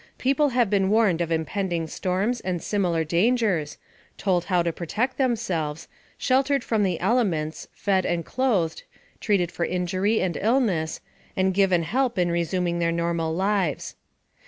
People have been warned of impending storms and similar dangers, told how to protect themselves, sheltered from the elements, fed and clothed, treated for injury and illness, and given help in resuming their normal lives.